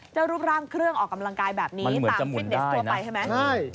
รูปร่างเครื่องออกกำลังกายแบบนี้ตามฟิตเนสทั่วไปใช่ไหม